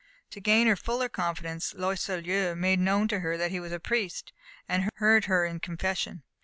To gain her fuller confidence, Loyseleur made known to her that he was a priest, and heard her in confession.